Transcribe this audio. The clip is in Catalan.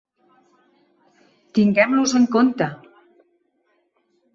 Tinguem-los en compte!